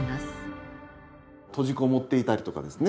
閉じこもっていたりとかですね